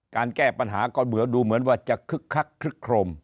การแก้ปัญหาก็เหมือนว่าจะคึกคักคึกโครม